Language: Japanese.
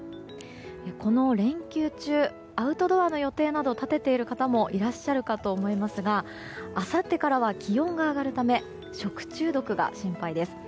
この連休中アウトドアの予定など立てている方もいらっしゃるかと思いますがあさってからは気温が上がるため食中毒が心配です。